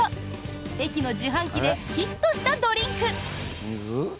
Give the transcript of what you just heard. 駅の自販機でヒットしたドリンク。